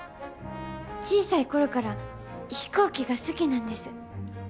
小さい頃から飛行機が好きなんです。